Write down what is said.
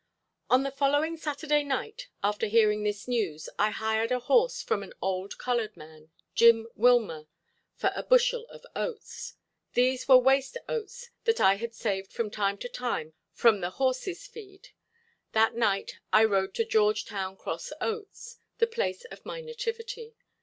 On the following Saturday night, after hearing this news, I hired a horse from an old colored man, Jim Willmer, for a bushel of oats. These were waste oats that I had saved from time to time from the horse's feed. That night I rode to George Town Cross Oats, the place of my nativity.